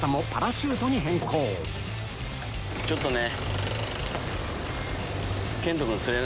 ちょっとね。